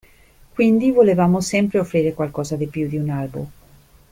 Quindi volevamo sempre offrire qualcosa di più di un albo.